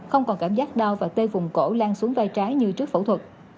không còn cảm giác đau và tê vùng cổ lan xuống vai trái như trước phẫu thuật